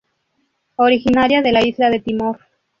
Originaria de la isla de Timor.